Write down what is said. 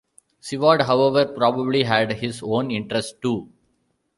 Siward however probably had his own interests too.